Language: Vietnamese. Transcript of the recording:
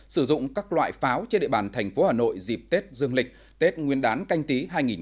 sử dụng các loại pháo trên địa bàn thành phố hà nội dịp tết dương lịch tết nguyên đán canh tí hai nghìn hai mươi